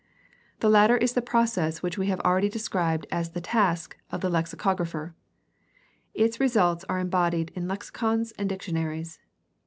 The latter is the process which we have already described as the task of the lexicographer. Its results are embodied in lexicons and dictionaries.